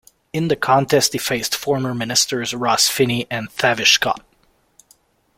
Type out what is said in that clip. In the contest he faced former Ministers Ross Finnie and Tavish Scott.